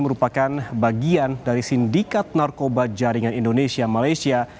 merupakan bagian dari sindikat narkoba jaringan indonesia malaysia